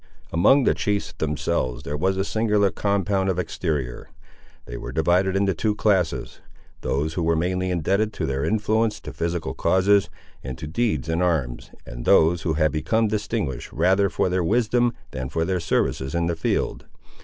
Among the chiefs themselves there was a singular compound of exterior. They were divided into two classes; those who were mainly indebted for their influence to physical causes, and to deeds in arms, and those who had become distinguished rather for their wisdom than for their services in the field.